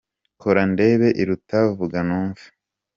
Kora ndebe iruta vuga numve.